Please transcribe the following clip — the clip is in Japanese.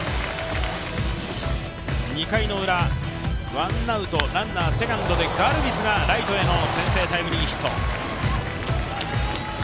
２回のウラ、ワンアウトランナー、セカンドでガルビスがライトへの先制タイムリーヒット。